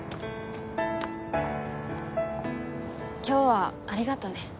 今日はありがとね。